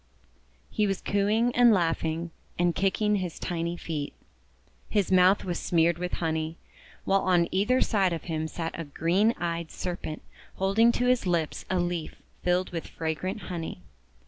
He was cooing and laughing, and kicking his tiny feet. His mouth was smeared with honey, while on either side of him sat a green eyed Serpent hold ing to his lips a leaf filled with fragrant honey.